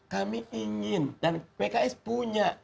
kami ingin dan pks punya